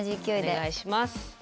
お願いします。